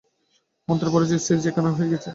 মন্ত্র পড়ে স্ত্রী যে কেনা হয়েই গেছে।